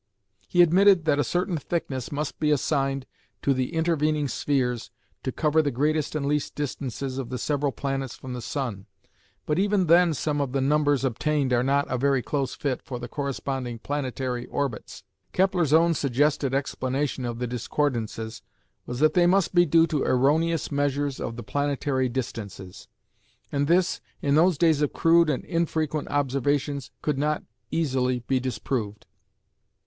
He admitted that a certain thickness must be assigned to the intervening spheres to cover the greatest and least distances of the several planets from the sun, but even then some of the numbers obtained are not a very close fit for the corresponding planetary orbits. Kepler's own suggested explanation of the discordances was that they must be due to erroneous measures of the planetary distances, and this, in those days of crude and infrequent observations, could not easily be disproved.